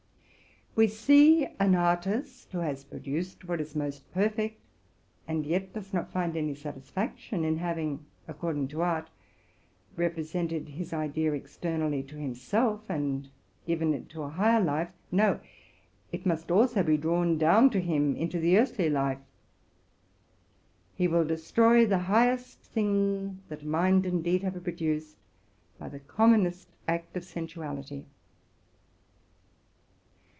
We see an artist who has produced what is most perfect, and yet does not find any satisfaction in hay ing, according to art, represented his idea externally to him self, and given to it a higher life; no, it must also be drawn down to him into the earthly life. He will destroy the highest that mind and deed have produced, by the commonest act of sensuality.